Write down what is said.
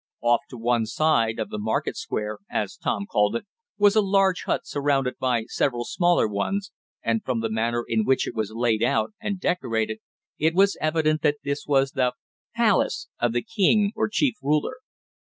Off to one side of the "market square," as Tom called it, was a large hut, surrounded by several smaller ones, and from the manner in which it was laid out, and decorated, it was evident that this was the "palace" of the king, or chief ruler.